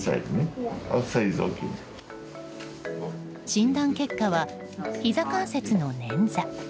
診断結果はひざ関節のねんざ。